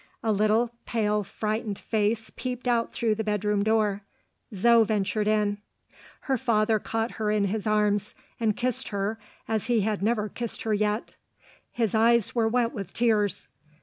A little pale frightened face peeped out through the bedroom door. Zo ventured in. Her father caught her in his arms, and kissed her as he had never kissed her yet. His eyes were wet with tears.